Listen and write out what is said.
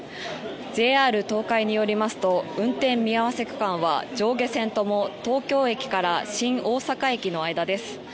ＪＲ東海によりますと運転見合わせ区間は上下線とも東京駅から新大阪駅の間です。